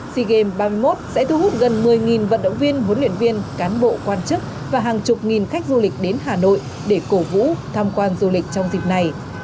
sea games ba mươi một sẽ thu hút gần một mươi vận động viên huấn luyện viên cán bộ quan chức và hàng chục nghìn khách du lịch đến hà nội để cổ vũ tham quan du lịch trong dịp này